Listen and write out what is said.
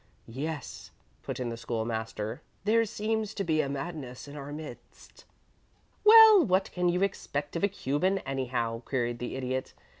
"Yes," put in the School master; "there seems to be madness in our midst." "Well, what can you expect of a Cuban, anyhow?" queried the Idiot.